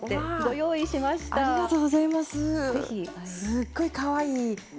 すっごいかわいいね！